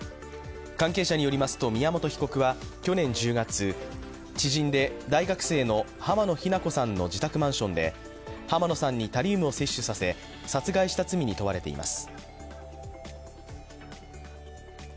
関係者によりますと宮本被告は去年１０月知人で大学生の濱野日菜子さんの自宅マンションで、濱野さんにタリウムを摂取させ殺害した罪に問われています。